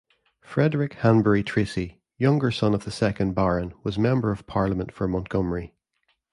Frederick Hanbury-Tracy, younger son of the second Baron, was Member of Parliament for Montgomery.